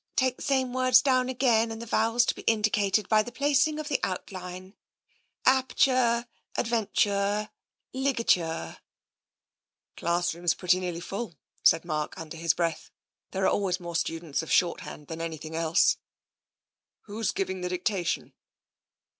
Take the same words down again and the vowels to be indicated by the plac ing of the outline." " Aperture — adventure — ligature " "Classroom pretty nearly full,'' said Mark under his breath. '* There are always more students of short hand than anything else." "Who's giving the dictation?"